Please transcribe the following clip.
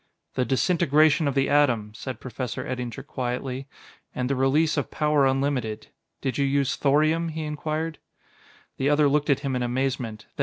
" The disintegration of the atom," said Professor Eddinger quietly, "and the release of power unlimited. Did you use thorium?" he inquired. The other looked at him in amazement.